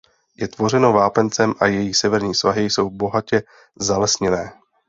Je tvořeno vápencem a její severní svahy jsou bohatě zalesněné.